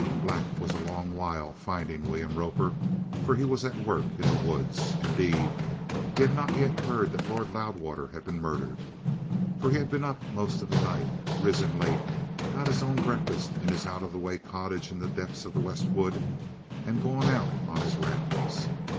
Black was a long while finding William Roper, for he was at work in the woods. Indeed, he had not yet heard that Lord Loudwater had been murdered, for he had been up most of the night, risen late, got his own breakfast in his out of the way cottage in the depths of the West wood, and gone out on his rounds.